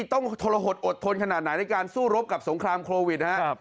ต้องทรหดอดทนขนาดไหนในการสู้รบกับสงครามโควิดนะครับ